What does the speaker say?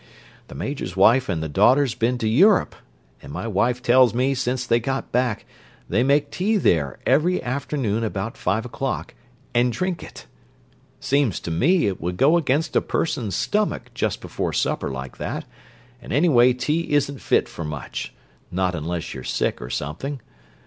The Major's wife and the daughter's been to Europe, and my wife tells me since they got back they make tea there every afternoon about five o'clock, and drink it. Seems to me it would go against a person's stomach, just before supper like that, and anyway tea isn't fit for much—not unless you're sick or something.